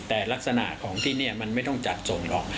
แต่ลักษณะของที่นี่มันไม่ต้องจัดส่งหรอก